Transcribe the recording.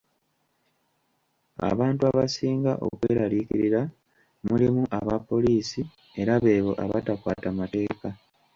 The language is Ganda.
Abantu abasinga okweralIikirira mulimu Abapoliisi era beebo abatakwata mateeka.